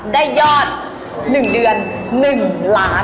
ได้ยอด๑เดือน๑ล้าน